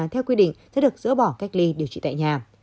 theo quy định sẽ được dỡ bỏ cách ly điều trị tại nhà